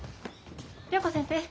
良子先生